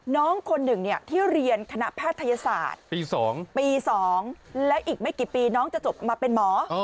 น้องคนหนึ่งที่เรียนคณะแพทยศาสตร์ปี๒ปี๒และอีกไม่กี่ปีน้องจะจบมาเป็นหมอ